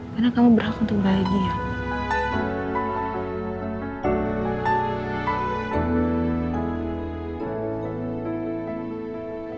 karena kamu berhak untuk berhati hati